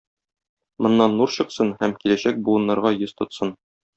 Моннан нур чыксын һәм киләчәк буыннарга йөз тотсын.